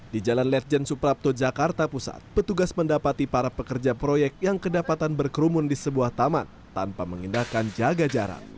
di jalan ledjen suprapto jakarta pusat petugas mendapati para pekerja proyek yang kedapatan berkerumun di sebuah taman tanpa mengindahkan jaga jarak